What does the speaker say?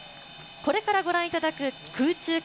これからご覧いただく空中影